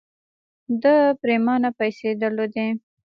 ده پرېمانه پيسې درلودې.